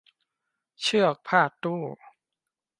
เชือกพาดตู้